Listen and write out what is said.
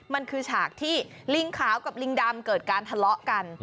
มันคือฉากที่ลิงขาวกับลิงดำเกิดการทะเลาะกัน